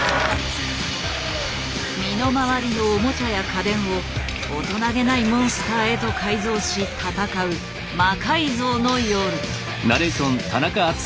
身の回りのオモチャや家電を大人気ないモンスターへと改造し戦う「魔改造の夜」。